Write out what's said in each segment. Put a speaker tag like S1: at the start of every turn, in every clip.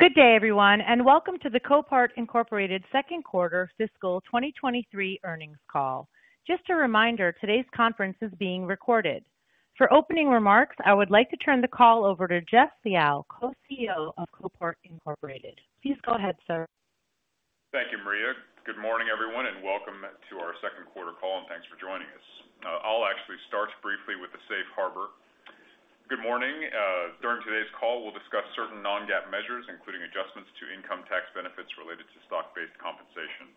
S1: Good day, everyone. Welcome to the Copart, Incorporated second quarter fiscal 2023 earnings call. Just a reminder, today's conference is being recorded. For opening remarks, I would like to turn the call over to Jeff Liaw, CEO of Copart, Incorporated. Please go ahead, sir.
S2: Thank you, Maria. Good morning, everyone. Welcome to our second quarter call. Thanks for joining us. I'll actually start briefly with the Safe Harbor. Good morning. During today's call, we'll discuss certain non-GAAP measures, including adjustments to income tax benefits related to stock-based compensation.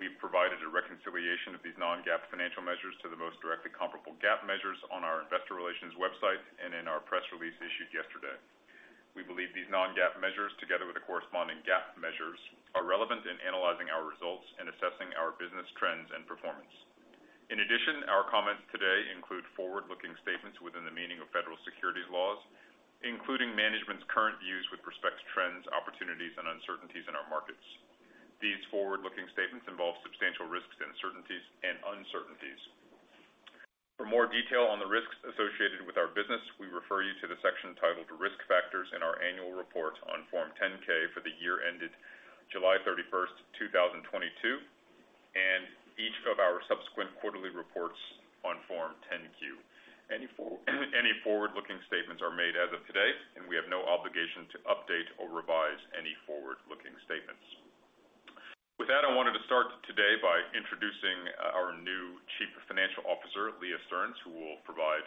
S2: We've provided a reconciliation of these non-GAAP financial measures to the most directly comparable GAAP measures on our investor relations website and in our press release issued yesterday. We believe these non-GAAP measures, together with the corresponding GAAP measures, are relevant in analyzing our results and assessing our business trends and performance. In addition, our comments today include forward-looking statements within the meaning of federal securities laws, including management's current views with respect to trends, opportunities, and uncertainties in our markets. These forward-looking statements involve substantial risks and uncertainties. For more detail on the risks associated with our business, we refer you to the section titled "Risk Factors" in our annual report on Form 10-K for the year ended July 31st, 2022, and each of our subsequent quarterly reports on Form 10-Q. Forward-looking statements are made as of today, and we have no obligation to update or revise any forward-looking statements. I wanted to start today by introducing our new Chief Financial Officer, Leah Stearns, who will provide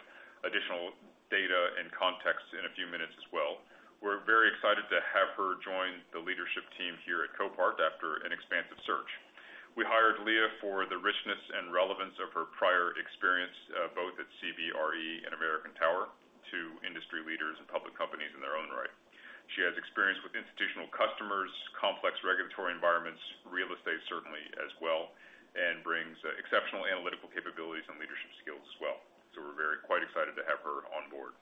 S2: additional data and context in a few minutes as well. We're very excited to have her join the leadership team here at Copart after an expansive search. We hired Leah for the richness and relevance of her prior experience, both at CBRE and American Tower, two industry leaders and public companies in their own right. She has experience with institutional customers, complex regulatory environments, real estate, certainly as well, and brings exceptional analytical capabilities and leadership skills as well. We're very quite excited to have her on board.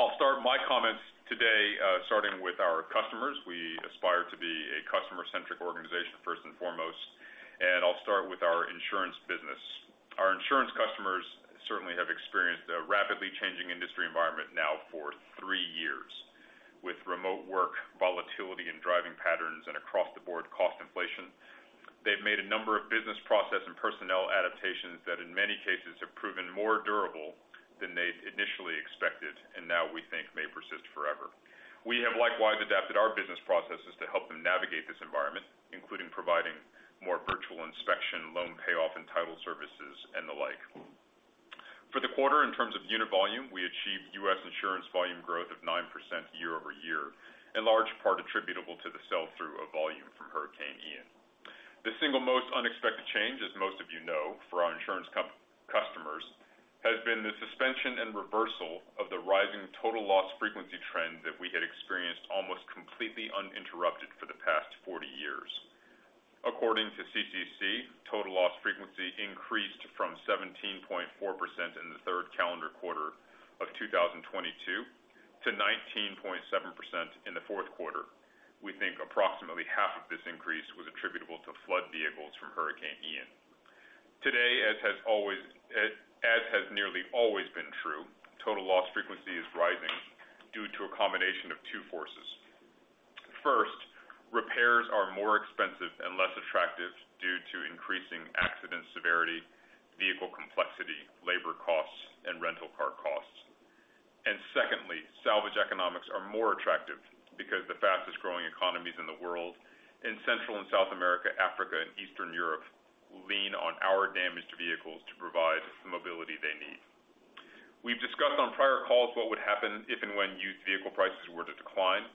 S2: I'll start my comments today, starting with our customers. We aspire to be a customer-centric organization, first and foremost, and I'll start with our insurance business. Our insurance customers certainly have experienced a rapidly changing industry environment now for three years with remote work volatility in driving patterns and across-the-board cost inflation. They've made a number of business process and personnel adaptations that in many cases have proven more durable than they'd initially expected, and now we think may persist forever. We have likewise adapted our business processes to help them navigate this environment, including providing more virtual inspection, loan payoff, and title services and the like. For the quarter, in terms of unit volume, we achieved U.S. insurance volume growth of 9% year-over-year, in large part attributable to the sell-through of volume from Hurricane Ian. The single most unexpected change, as most of you know, for our insurance comp-customers, has been the suspension and reversal of the rising total loss frequency trend that we had experienced almost completely uninterrupted for the past 40 years. According to CCC, total loss frequency increased from 17.4% in the third calendar quarter of 2022 to 19.7% in the fourth quarter. We think approximately half of this increase was attributable to flood vehicles from Hurricane Ian. Today, as has nearly always been true, total loss frequency is rising due to a combination of two forces. First, repairs are more expensive and less attractive due to increasing accident severity, vehicle complexity, labor costs, and rental car costs. Secondly, salvage economics are more attractive because the fastest-growing economies in the world in Central and South America, Africa, and Eastern Europe lean on our damaged vehicles to provide the mobility they need. We've discussed on prior calls what would happen if and when used vehicle prices were to decline.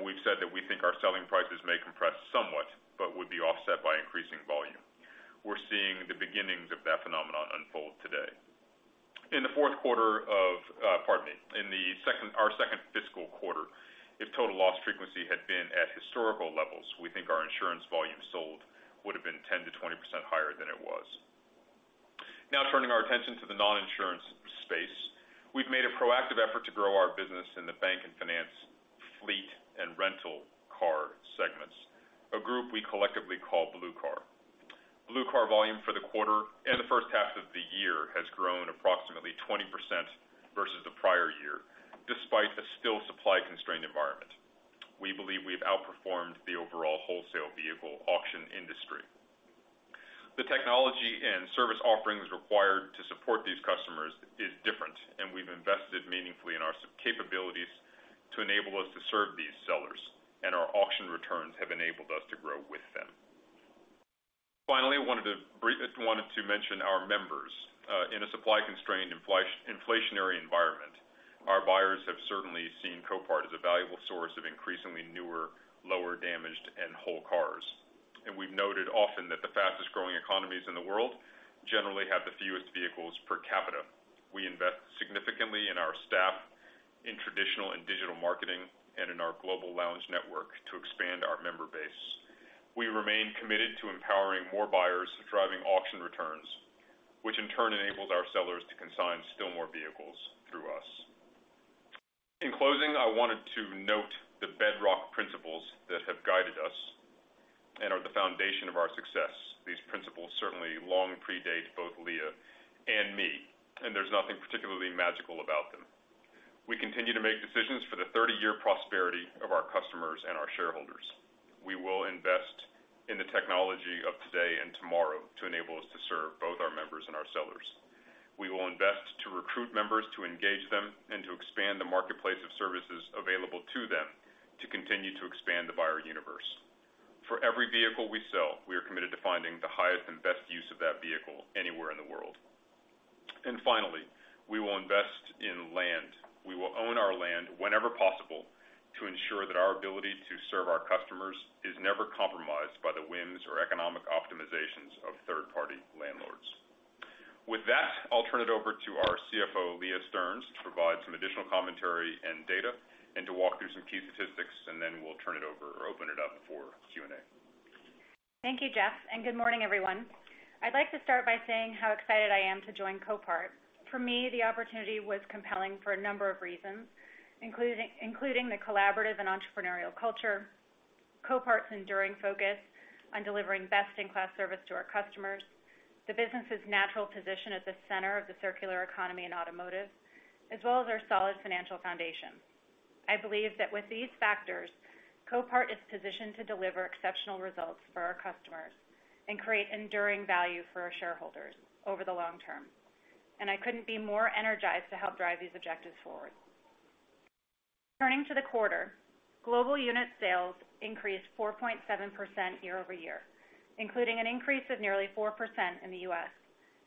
S2: We've said that we think our selling prices may compress somewhat but would be offset by increasing volume. We're seeing the beginnings of that phenomenon unfold today. In the fourth quarter, pardon me, in our second fiscal quarter, if total loss frequency had been at historical levels, we think our insurance volume sold would have been 10%-20% higher than it was. Turning our attention to the non-insurance space. We've made a proactive effort to grow our business in the bank and finance fleet and rental car segments, a group we collectively call Blue Car. Blue Car volume for the quarter and the first half of the year has grown approximately 20% versus the prior year, despite a still supply-constrained environment. We believe we've outperformed the overall wholesale vehicle auction industry. The technology and service offerings required to support these customers is different, and we've invested meaningfully in our sub-capabilities to enable us to serve these sellers, and our auction returns have enabled us to grow with them. Finally, I wanted to mention our members. In a supply-constrained inflationary environment, our buyers have certainly seen Copart as a valuable source of increasingly newer, lower damaged and whole cars. We've noted often that the fastest-growing economies in the world generally have the fewest vehicles per capita. We invest significantly in our staff in traditional and digital marketing and in our global lounge network to expand our member base. We remain committed to empowering more buyers, driving auction returns, which in turn enables our sellers to consign still more vehicles through us. In closing, I wanted to note the bedrock principles that have guided us. The foundation of our success. These principles certainly long predate both Leah and me, and there's nothing particularly magical about them. We continue to make decisions for the 30-year prosperity of our customers and our shareholders. We will invest in the technology of today and tomorrow to enable us to serve both our members and our sellers. We will invest to recruit members, to engage them, and to expand the marketplace of services available to them to continue to expand the buyer universe. For every vehicle we sell, we are committed to finding the highest and best use of that vehicle anywhere in the world. Finally, we will invest in land. We will own our land whenever possible to ensure that our ability to serve our customers is never compromised by the whims or economic optimizations of third-party landlords. With that, I'll turn it over to our CFO, Leah Stearns, to provide some additional commentary and data to walk through some key statistics, then we'll open it up for Q&A.
S3: Thank you, Jeff. Good morning, everyone. I'd like to start by saying how excited I am to join Copart. For me, the opportunity was compelling for a number of reasons, including the collaborative and entrepreneurial culture, Copart's enduring focus on delivering best-in-class service to our customers, the business's natural position at the center of the circular economy and automotive, as well as our solid financial foundation. I believe that with these factors, Copart is positioned to deliver exceptional results for our customers and create enduring value for our shareholders over the long term. I couldn't be more energized to help drive these objectives forward. Turning to the quarter, global unit sales increased 4.7% year-over-year, including an increase of nearly 4% in the U.S.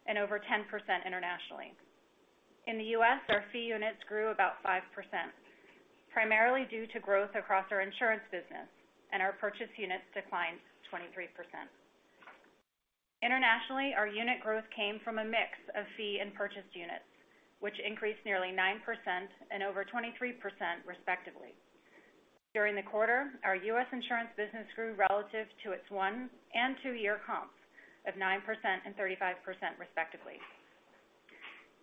S3: and over 10% internationally. In the U.S., our fee units grew about 5%, primarily due to growth across our insurance business. Our purchase units declined 23%. Internationally, our unit growth came from a mix of fee and purchased units, which increased nearly 9% and over 23%, respectively. During the quarter, our U.S. insurance business grew relative to its one- and two-year comps of 9% and 35%, respectively.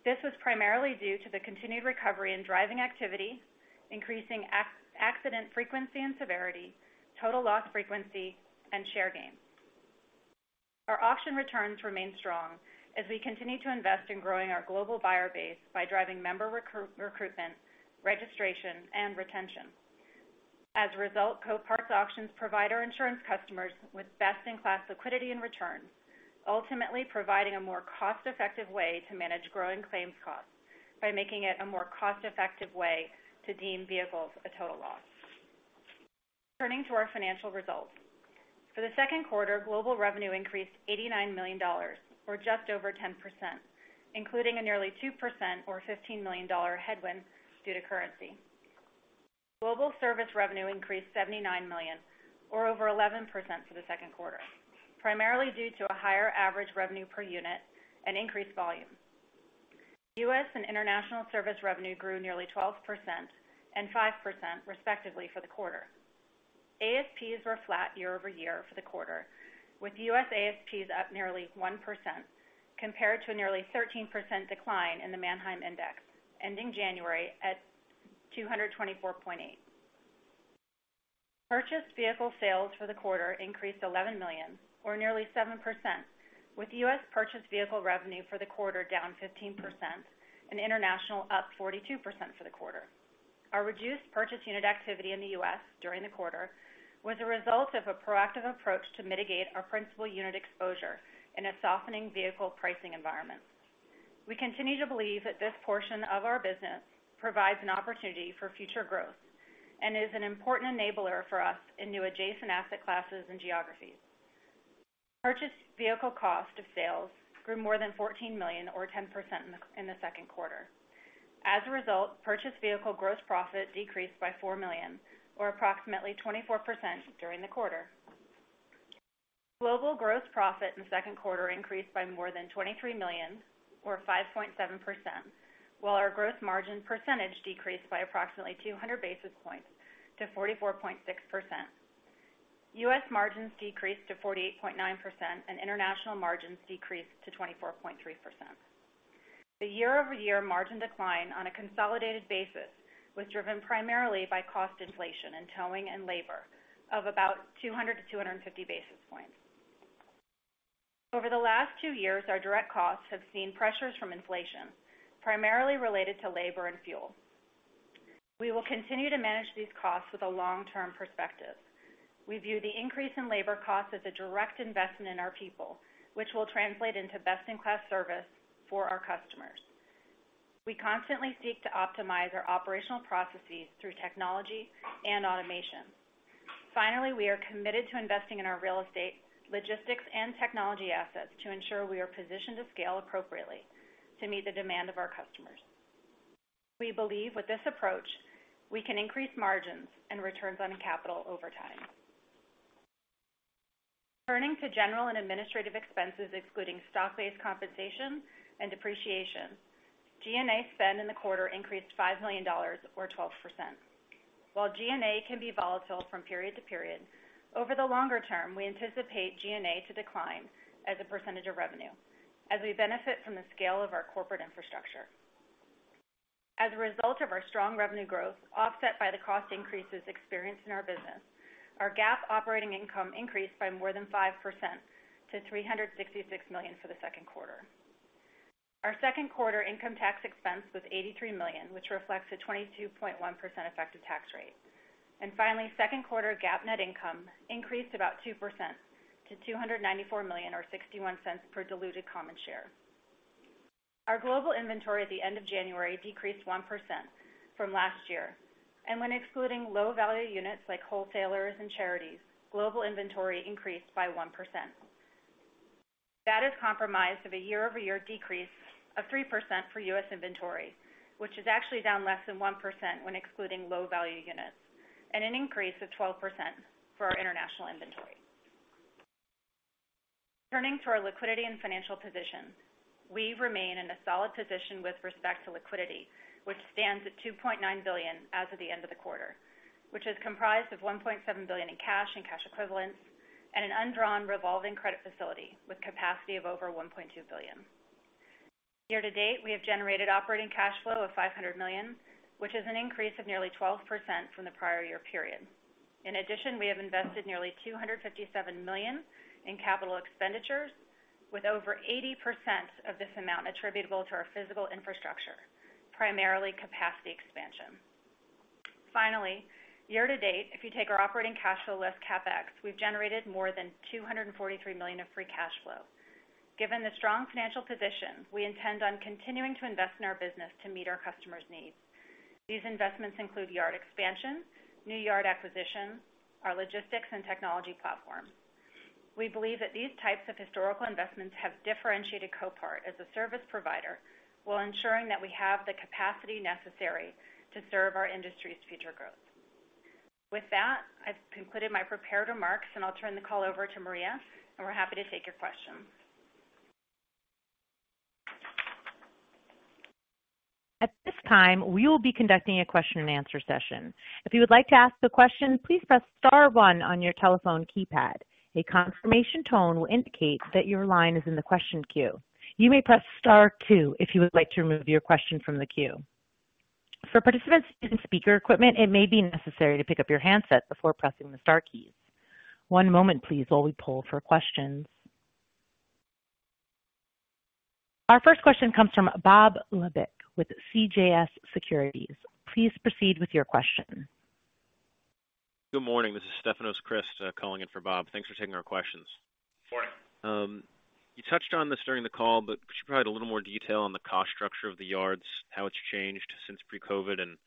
S3: This was primarily due to the continued recovery in driving activity, increasing accident frequency and severity, total loss frequency, and share gains. Our auction returns remain strong as we continue to invest in growing our global buyer base by driving member recruitment, registration, and retention. As a result, Copart's auctions provide our insurance customers with best-in-class liquidity and returns, ultimately providing a more cost-effective way to manage growing claims costs by making it a more cost-effective way to deem vehicles a total loss. Turning to our financial results. For the second quarter, global revenue increased $89 million or just over 10%, including a nearly 2% or $15 million headwind due to currency. Global service revenue increased $79 million or over 11% for the second quarter, primarily due to a higher average revenue per unit and increased volume. U.S. and international service revenue grew nearly 12% and 5%, respectively, for the quarter. ASPs were flat year-over-year for the quarter, with U.S. ASPs up nearly 1% compared to a nearly 13% decline in the Manheim Index, ending January at 224.8. Purchased vehicle sales for the quarter increased $11 million or nearly 7%, with U.S. purchased vehicle revenue for the quarter down 15% and international up 42% for the quarter. Our reduced purchase unit activity in the U.S. during the quarter was a result of a proactive approach to mitigate our principal unit exposure in a softening vehicle pricing environment. We continue to believe that this portion of our business provides an opportunity for future growth and is an important enabler for us in new adjacent asset classes and geographies. Purchased vehicle cost of sales grew more than $14 million or 10% in the second quarter. As a result, purchased vehicle gross profit decreased by $4 million or approximately 24% during the quarter. Global gross profit in the second quarter increased by more than $23 million or 5.7%, while our gross margin percentage decreased by approximately 200 basis points to 44.6%. U.S. margins decreased to 48.9%, and international margins decreased to 24.3%. The year-over-year margin decline on a consolidated basis was driven primarily by cost inflation in towing and labor of about 200-250 basis points. Over the last two years, our direct costs have seen pressures from inflation, primarily related to labor and fuel. We will continue to manage these costs with a long-term perspective. We view the increase in labor costs as a direct investment in our people, which will translate into best-in-class service for our customers. We constantly seek to optimize our operational processes through technology and automation. We are committed to investing in our real estate, logistics, and technology assets to ensure we are positioned to scale appropriately to meet the demand of our customers. We believe with this approach, we can increase margins and returns on capital over time. Turning to general and administrative expenses, excluding stock-based compensation and depreciation, G&A spend in the quarter increased $5 million or 12%. While G&A can be volatile from period to period, over the longer term, we anticipate G&A to decline as a percentage of revenue as we benefit from the scale of our corporate infrastructure. As a result of our strong revenue growth offset by the cost increases experienced in our business, our GAAP operating income increased by more than 5% to $366 million for the second quarter. Our second quarter income tax expense was $83 million, which reflects a 22.1% effective tax rate. Finally, second quarter GAAP net income increased about 2% to $294 million or $0.61 per diluted common share. Our global inventory at the end of January decreased 1% from last year. When excluding low value units like wholesalers and charities, global inventory increased by 1%. That is comprised of a year-over-year decrease of 3% for U.S. inventory, which is actually down less than 1% when excluding low value units, and an increase of 12% for our international inventory. Turning to our liquidity and financial position. We remain in a solid position with respect to liquidity, which stands at $2.9 billion as of the end of the quarter, which is comprised of $1.7 billion in cash and cash equivalents and an undrawn revolving credit facility with capacity of over $1.2 billion. Year-to-date, we have generated operating cash flow of $500 million, which is an increase of nearly 12% from the prior year period. We have invested nearly $257 million in capital expenditures, with over 80% of this amount attributable to our physical infrastructure, primarily capacity expansion. Year-to-date, if you take our operating cash flow less CapEx, we've generated more than $243 million of free cash flow. Given the strong financial position, we intend on continuing to invest in our business to meet our customers' needs. These investments include yard expansion, new yard acquisitions, our logistics and technology platform. We believe that these types of historical investments have differentiated Copart as a service provider, while ensuring that we have the capacity necessary to serve our industry's future growth. With that, I've completed my prepared remarks, and I'll turn the call over to Maria, and we're happy to take your questions.
S1: At this time, we will be conducting a question-and-answer session. If you would like to ask a question, please press star one on your telephone keypad. A confirmation tone will indicate that your line is in the question queue. You may press star two if you would like to remove your question from the queue. For participants using speaker equipment, it may be necessary to pick up your handset before pressing the star keys. One moment please while we poll for questions. Our first question comes from Bob Labick with CJS Securities. Please proceed with your question.
S4: Good morning. This is Stefanos Crist calling in for Bob. Thanks for taking our questions.
S2: Morning.
S4: You touched on this during the call, but could you provide a little more detail on the cost structure of the yards, how it's changed since pre-COVID, and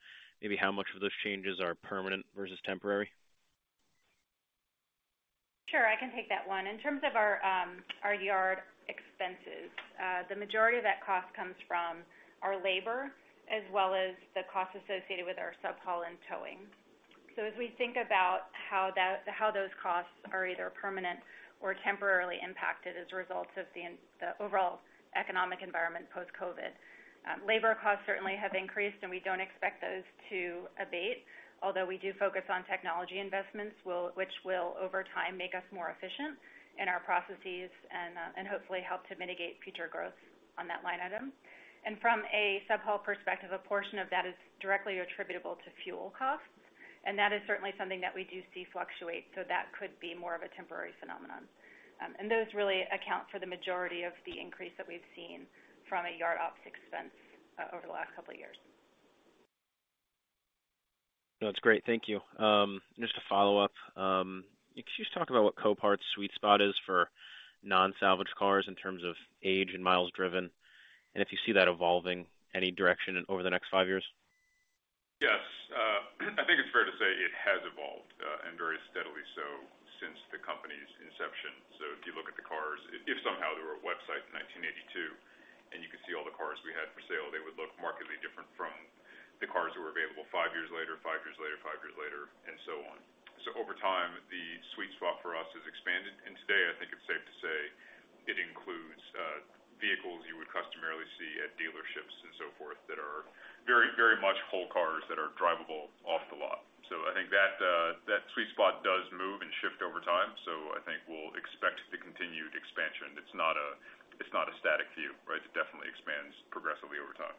S4: maybe how much of those changes are permanent versus temporary?
S3: Sure, I can take that one. In terms of our yard expenses, the majority of that cost comes from our labor as well as the cost associated with our subhaul and towing. As we think about how those costs are either permanent or temporarily impacted as a result of the overall economic environment post-COVID, labor costs certainly have increased, and we don't expect those to abate. Although we do focus on technology investments which will over time, make us more efficient in our processes and hopefully help to mitigate future growth on that line item. From a subhaul perspective, a portion of that is directly attributable to fuel costs, and that is certainly something that we do see fluctuate. That could be more of a temporary phenomenon. Those really account for the majority of the increase that we've seen from a yard ops expense, over the last couple of years.
S4: That's great. Thank you. Just to follow up, can you just talk about what Copart's sweet spot is for non-salvage cars in terms of age and miles driven, and if you see that evolving any direction over the next five years?
S2: Yes. I think it's fair to say it has evolved and very steadily so since the company's inception. If you look at the cars, if somehow there were a website in 1982, and you could see all the cars we had for sale, they would look markedly different from the cars that were available 5 years later, 5 years later, 5 years later, and so on. Over time, the sweet spot for us has expanded. And today, I think it's safe to say it includes vehicles you would customarily see at dealerships and so forth, that are very, very much whole cars that are drivable off the lot. I think that sweet spot does move and shift over time. I think we'll expect the continued expansion. It's not a static view, right? It definitely expands progressively over time.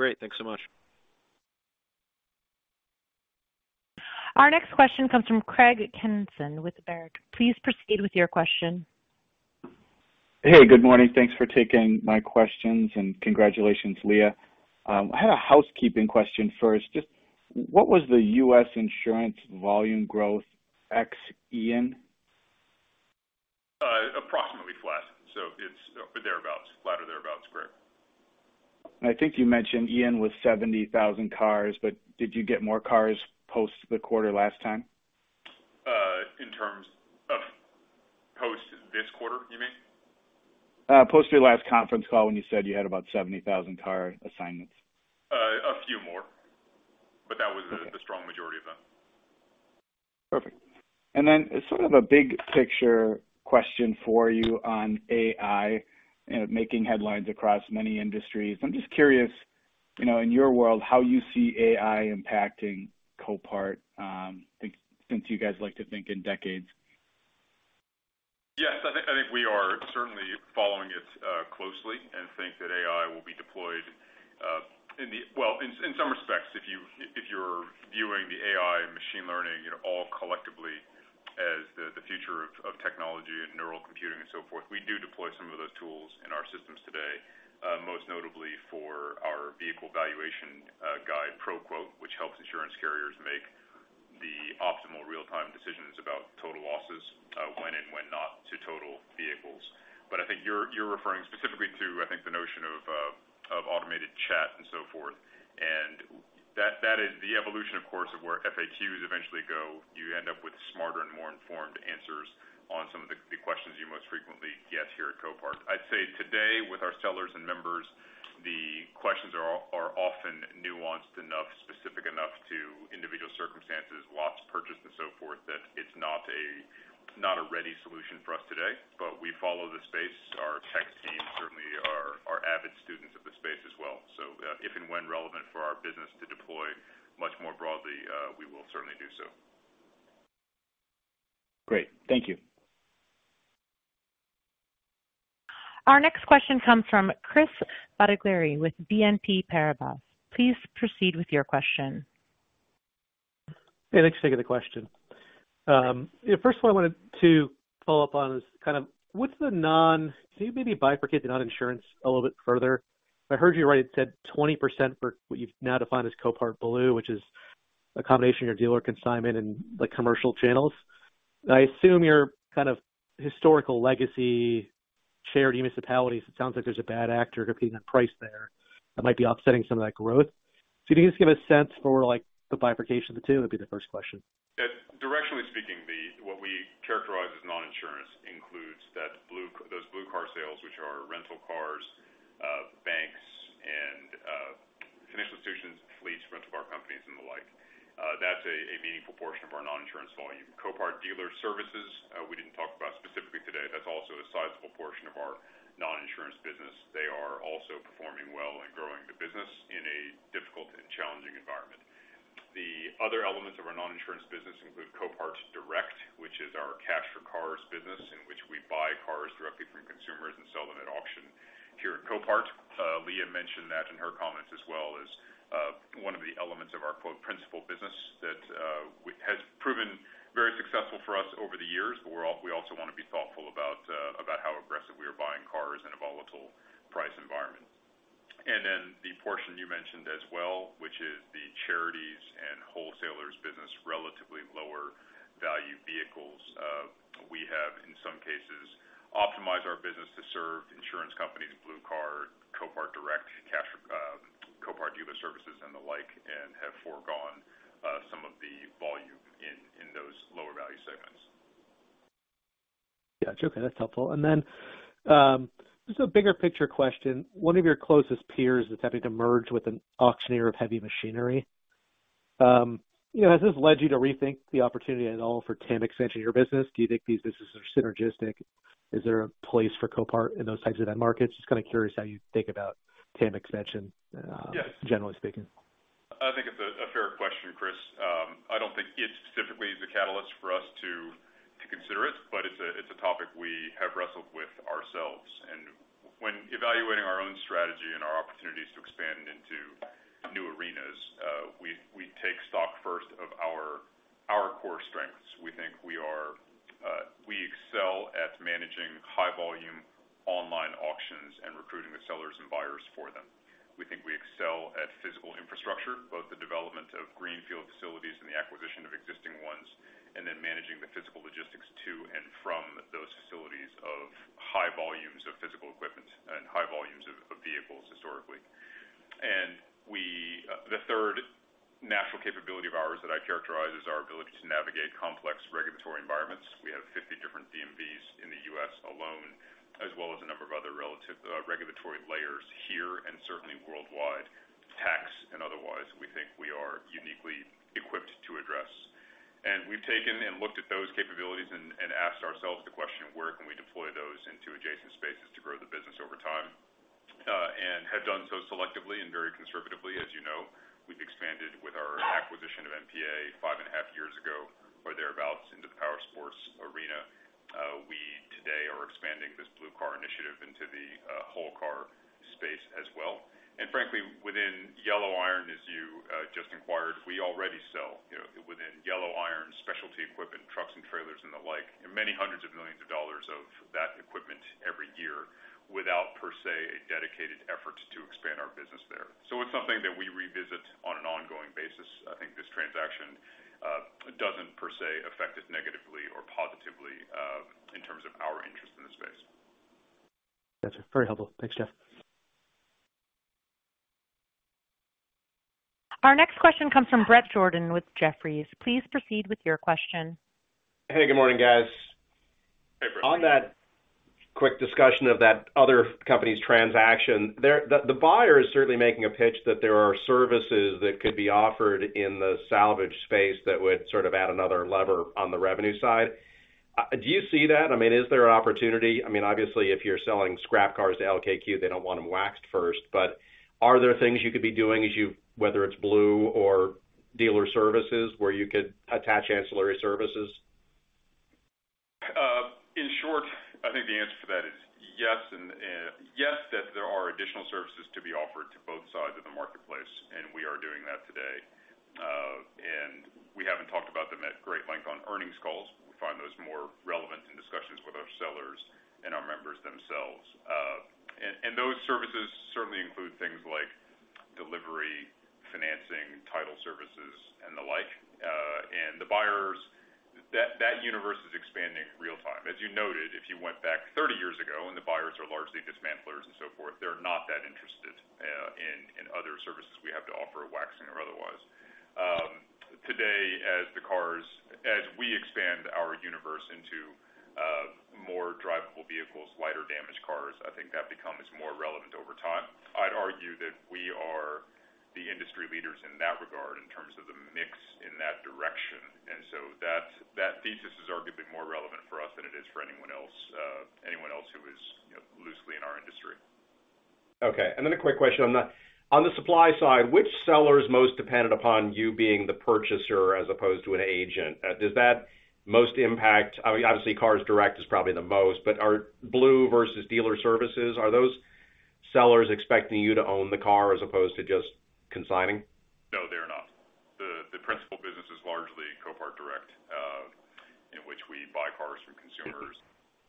S4: Great. Thanks so much.
S1: Our next question comes from Craig Kennison with Baird. Please proceed with your question.
S5: Hey, good morning. Thanks for taking my questions, and congratulations, Leah. I had a housekeeping question first. Just what was the U.S. insurance volume growth ex Ian?
S2: Approximately flat. It's thereabouts, flat or thereabouts. Correct.
S5: I think you mentioned Ian was 70,000 cars, but did you get more cars post the quarter last time?
S2: In terms of post this quarter, you mean?
S5: Post your last conference call when you said you had about 70,000 car assignments.
S2: A few more, but that was the strong majority of them.
S5: Perfect. Sort of a big picture question for you on AI making headlines across many industries. I'm just curious, you know, in your world, how you see AI impacting Copart, since you guys like to think in decades.
S2: I think, I think we are certainly following it closely and think that AI will be deployed. Well, in some respects, if you, if you're viewing the AI and machine learning, you know, all collectively as the future of technology and neural computing and so forth, we do deploy some of those tools in our systems today, most notably for our vehicle valuation guide ProQuote, which helps insurance carriers make the optimal real-time decisions about total losses, when and when not to total vehicles. I think you're referring specifically to, I think, the notion of automated chat and so forth. That is the evolution, of course, of where FAQs eventually go. You end up with smarter and more informed answers on some of the questions you most frequently get here at Copart. I'd say today, with our sellers and members, the questions are often nuanced enough, specific enough to individual circumstances, lots purchased and so forth, that it's not a ready solution for us today. We follow the space. Our tech team certainly are avid students of the space as well. If and when relevant for our business to deploy much more broadly, we will certainly do so.
S5: Great. Thank you.
S1: Our next question comes from Chris Bottiglieri with BNP Paribas. Please proceed with your question.
S6: Hey, thanks for taking the question. First what I wanted to follow up on is kind of what's the non-insurance. You maybe bifurcate the non-insurance a little bit further. I heard you right, you said 20% for what you've now defined as Copart Blue, which is a combination of your dealer consignment and the commercial channels. I assume your kind of historical legacy, charity, municipalities, it sounds like there's a bad actor competing on price there that might be offsetting some of that growth. Can you just give a sense for, like, the bifurcation of the two? That'd be the first question.
S2: Directionally speaking, what we characterize as non-insurance includes those Blue Car sales, which are rental cars, banks and financial institutions, fleets, rental car companies and the like. That's a meaningful portion of our non-insurance volume. Copart Dealer Services, we didn't talk about specifically today. That's also a sizable portion of our non-insurance business. They are also performing well and growing the business in a difficult and challenging environment. The other elements of our non-insurance business include Copart Direct, which is our cash for cars business, in which we buy cars directly from consumers and sell them at auction here at Copart. Leah mentioned that in her comments as well as one of the elements of our quote, principal business that has proven very successful for us over the years, but we also want to be thoughtful about how aggressive we are buying cars in a volatile price environment. The portion you mentioned as well, which is the charities and wholesalers business, relatively lower value vehicles. We have, in some cases, optimized our business to serve insurance companies, Blue Car, Copart Direct, Copart Dealer Services and the like, and have foregone some of the volume in those lower value segments.
S6: Got you. Okay, that's helpful. Then, just a bigger picture question. One of your closest peers is having to merge with an auctioneer of heavy machinery. You know, has this led you to rethink the opportunity at all for TAM expansion of your business? Do you think these businesses are synergistic? Is there a place for Copart in those types of end markets? Just kind of curious how you think about TAM expansion.
S2: Yes.
S6: generally speaking.
S2: I think it's a fair question, Chris. I don't think it specifically is a catalyst for us to consider it, but it's a topic we have wrestled with ourselves. When evaluating our own strategy and our opportunities to expand into new arenas, we take stock first of our core strengths. We think we are, we excel at managing high volume online auctions and recruiting the sellers and buyers for them. We think we excel at physical infrastructure, both the development of greenfield facilities and the acquisition of existing ones, and then managing the physical logistics to and from those facilities of high volumes of physical equipment and high volumes of vehicles historically. We, the third natural capability of ours that I characterize is our ability to navigate complex regulatory environments. We have 50 different DMVs in the U.S. alone, as well as a number of other relative regulatory layers here and certainly worldwide, tax and otherwise, we think we are uniquely equipped to address. We've taken and looked at those capabilities and asked ourselves the question, where can we deploy those into adjacent spaces to grow the business over time? Have done so selectively and very conservatively. As you know, we've expanded with our acquisition of NPA five and a half years ago or thereabouts, into the powersport arena. We today are expanding this Blue Car initiative into the whole car space as well. Frankly, within yellow iron, as you just inquired, we already sell, you know, within yellow iron specialty equipment, trucks and trailers and the like, many hundreds of millions of dollars of that equipment every year without per se a dedicated effort to expand our business there. It's something that we revisit on an ongoing basis. I think this transaction doesn't per se affect it negatively or positively in terms of our interest in the space.
S6: Got you. Very helpful. Thanks, Jeff.
S1: Our next question comes from Bret Jordan with Jefferies. Please proceed with your question.
S7: Hey, good morning, guys.
S2: Hey, Bret.
S7: On that quick discussion of that other company's transaction, the buyer is certainly making a pitch that there are services that could be offered in the salvage space that would sort of add another lever on the revenue side. Do you see that? I mean, is there an opportunity? I mean, obviously, if you're selling scrap cars to LKQ, they don't want them waxed first. Are there things you could be doing as you whether it's Blue Car or CopartDealer Services where you could attach ancillary services?
S2: In short, I think the answer to that is yes, Yes, that there are additional services to be offered to both sides of the marketplace, we are doing that today. We haven't talked about them at great length on earnings calls. We find those more relevant in discussions with our sellers and our members themselves. Those services certainly include things like delivery, financing, title services, and the like. The buyers. That universe is expanding real time. As you noted, if you went back 30 years ago, and the buyers are largely dismantlers and so forth, they're not that interested, in other services we have to offer, waxing or otherwise. Today, as we expand our universe into more drivable vehicles, lighter damaged cars, I think that becomes more relevant over time. I'd argue that we are the industry leaders in that regard in terms of the mix in that direction. That, that thesis is arguably more relevant for us than it is for anyone else, anyone else who is, you know, loosely in our industry.
S7: Okay. Then a quick question on the supply side, which seller is most dependent upon you being the purchaser as opposed to an agent? Does that most impact? I mean, obviously, Copart Direct is probably the most, but Blue Car versus Copart Dealer Services, are those sellers expecting you to own the car as opposed to just consigning?
S2: No, they're not. The principal business is largely Copart Direct, in which we buy cars from consumers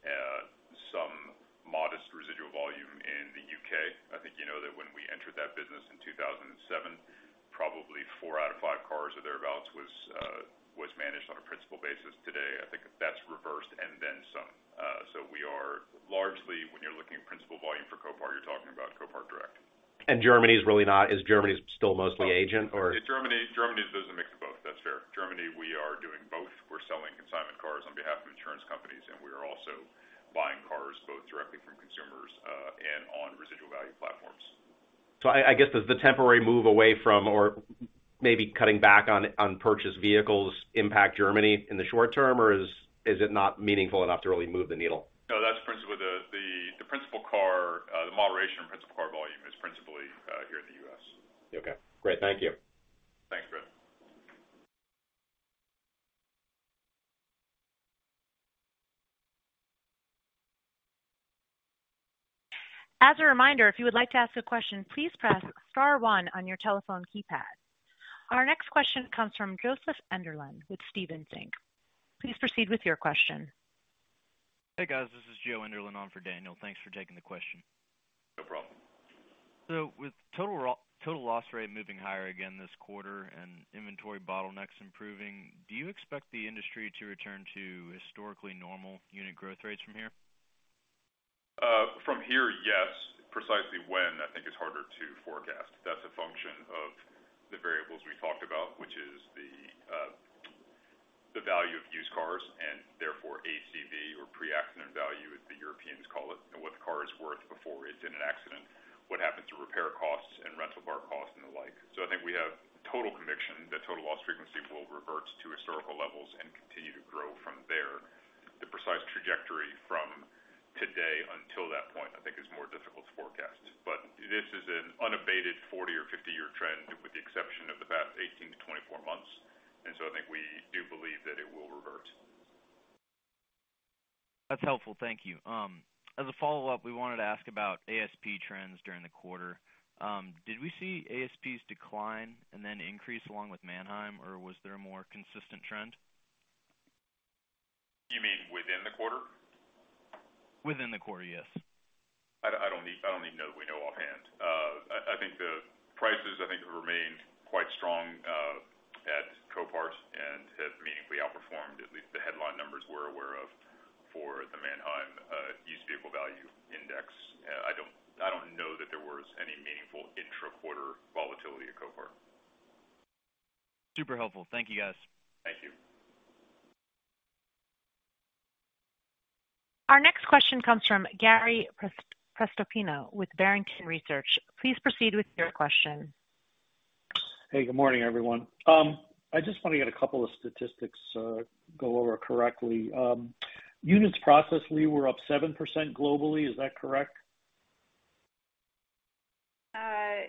S2: at some modest residual volume in the UK. I think you know that when we entered that business in 2007, probably four out of five cars or thereabouts was managed on a principal basis. Today, I think that's reversed and then some. We are largely, when you're looking at principal volume for Copart, you're talking about Copart Direct.
S7: Germany is really not. Is Germany still mostly agent or?
S2: In Germany is a mix of both. That's fair. Germany, we are doing both. We're selling consignment cars on behalf of insurance companies, and we are also buying cars both directly from consumers and on residual value platforms.
S7: I guess, does the temporary move away from or maybe cutting back on purchased vehicles impact Germany in the short term, or is it not meaningful enough to really move the needle?
S2: No. That's principally the principal car, the moderation in principal car volume is principally here in the U.S.
S7: Okay. Great. Thank you.
S2: Thanks, Chris.
S1: As a reminder, if you would like to ask a question, please press star one on your telephone keypad. Our next question comes from Joseph Enderlin with Stephens Inc. Please proceed with your question.
S8: Hey, guys. This is Joe Enderlin on for Daniel. Thanks for taking the question.
S2: No problem.
S8: With total loss rate moving higher again this quarter and inventory bottlenecks improving, do you expect the industry to return to historically normal unit growth rates from here?
S2: From here, yes. Precisely when, I think is harder to forecast. That's a function of the variables we talked about, which is the value of used cars, and therefore ACV or pre-accident value, as the Europeans call it, and what the car is worth before it's in an accident, what happened to repair costs and rental car costs and the like. I think we have total conviction that total loss frequency will revert to historical levels and continue to grow from there. The precise trajectory from today until that point, I think is more difficult to forecast. This is an unabated 40 or 50-year trend, with the exception of the past 18-24 months. I think we do believe that it will revert.
S8: That's helpful. Thank you. As a follow-up, we wanted to ask about ASP trends during the quarter. Did we see ASPs decline and then increase along with Manheim, or was there a more consistent trend?
S2: You mean within the quarter?
S8: Within the quarter, yes.
S2: I don't, I don't even know that we know offhand. I think the prices, I think, have remained quite strong at Copart and have meaningfully outperformed at least the headline numbers we're aware of for the Manheim Used Vehicle Value Index. I don't know that there was any meaningful intra-quarter volatility at Copart.
S8: Super helpful. Thank you, guys.
S2: Thank you.
S1: Our next question comes from Gary Prestopino with Barrington Research. Please proceed with your question.
S9: Hey, good morning, everyone. I just want to get a couple of statistics, go over correctly. units processed, we were up 7% globally. Is that correct?
S2: Five.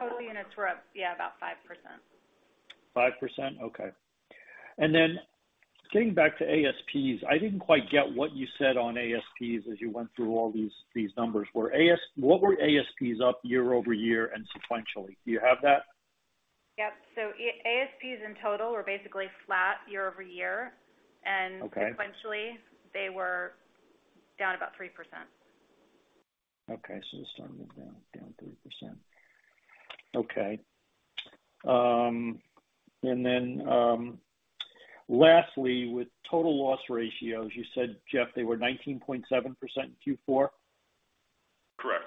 S7: Total units were up, yeah, about 5%.
S9: 5%? Okay. Then getting back to ASPs, I didn't quite get what you said on ASPs as you went through all these numbers. What were ASPs up year-over-year and sequentially? Do you have that?
S7: Yep. ASPs in total were basically flat year-over-year.
S9: Okay.
S7: Sequentially, they were down about 3%.
S9: Okay. Just wanted to move down 3%. Okay. Lastly, with total loss ratios, you said, Jeff, they were 19.7% in Q4?
S2: Correct.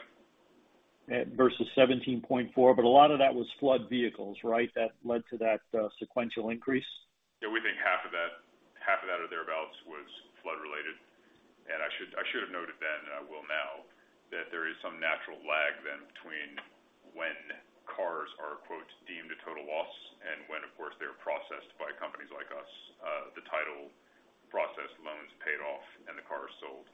S9: Versus 17.4%, but a lot of that was flood vehicles, right? That led to that sequential increase.
S2: Yeah, we think half of that or thereabouts was flood related. I should have noted then, I will now, that there is some natural lag then between when cars are, quote, "deemed a total loss" and when, of course, they're processed by companies like us. The title process loans paid off and the car is sold.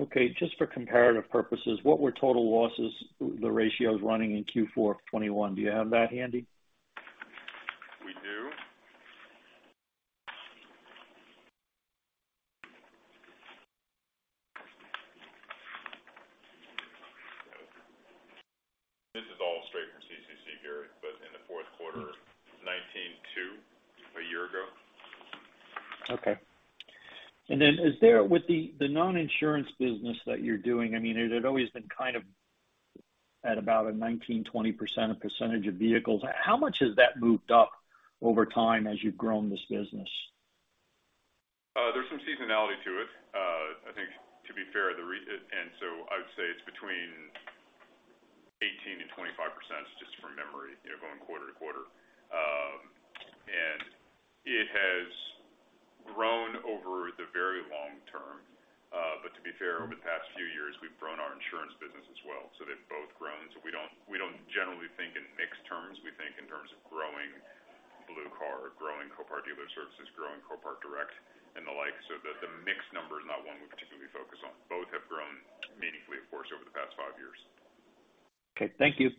S9: Okay. Just for comparative purposes, what were total losses, the ratios running in Q4 2021? Do you have that handy?
S2: We do. This is all straight from CCC, Gary, in the fourth quarter, nineteen two a year ago.
S9: Okay. Is there with the non-insurance business that you're doing, I mean, it had always been kind of at about a 19%, 20% of percentage of vehicles. How much has that moved up over time as you've grown this business?
S2: There's some seasonality to it. I think to be fair, I would say it's between 18% and 25% just from memory, you know, going quarter to quarter. It has grown over the very long term. To be fair, over the past few years, we've grown our insurance business as well. They've both grown. We don't, we don't generally think in mixed terms. We think in terms of growing Blue Car or growing Copart Dealer Services, growing Copart Direct and the like, the mix number is not one we particularly focus on. Both have grown meaningfully, of course, over the past 5 years.
S9: Okay. Thank you.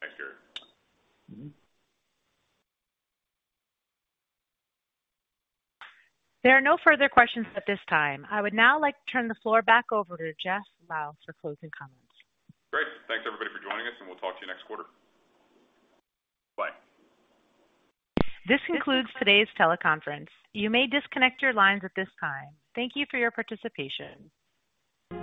S2: Thanks, Gary.
S1: There are no further questions at this time. I would now like to turn the floor back over to Jeff Liaw for closing comments.
S2: Great. Thanks, everybody for joining us, and we'll talk to you next quarter. Bye.
S1: This concludes today's teleconference. You may disconnect your lines at this time. Thank you for your participation.